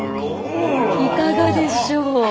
いかがでしょう？